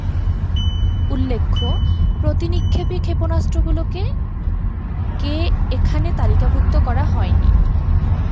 উল্লেখ্য প্রতিনিক্ষেপী-ক্ষেপণাস্ত্রগুলোকে কে এখানে তালিকাভুক্ত করা হয়নি।